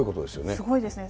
すごいですね。